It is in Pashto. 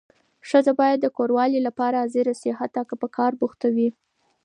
ښځه باید د کوروالې لپاره حاضره شي حتی که په کار بوخته وي.